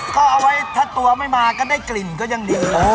ก็เอาไว้ถ้าตัวไม่มาก็ได้กลิ่นก็ยังดี